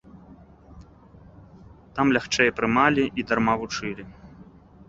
Там лягчэй прымалі і дарма вучылі.